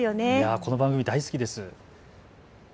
この番組大好きです。